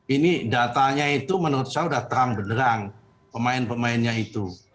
ini datanya itu menurut saya sudah terang benerang pemain pemainnya itu